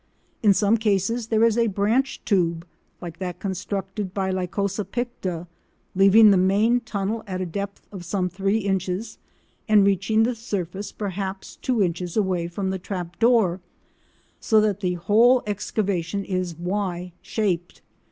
In some cases there is a branch tube, like that constructed by Lycosa picta, leaving the main tunnel at a depth of some three inches, and reaching the surface perhaps two inches away from the trap door, so that the whole excavation is +Y+ shaped.